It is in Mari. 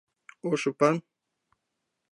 — Ош ӱпан?